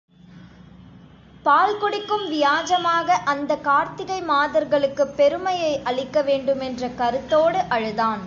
பால் குடிக்கும் வியாஜமாக அந்தக் கார்த்திகை மாதர்களுக்கு பெருமையை அளிக்க வேண்டுமென்ற கருத்தோடு அழுதான்.